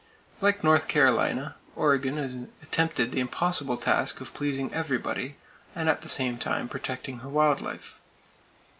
Like North Carolina, Oregon has attempted the impossible task of pleasing everybody, and at the same time protecting her wild life.